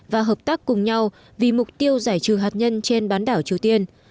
và hợp tác cùng nhau vì mục tiêu giải trừ hạt nhân trên bán đảo triều tiên